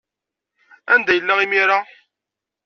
Anda yella imir-a?